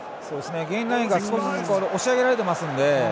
ゲインラインが少しずつ押し上げられてますので。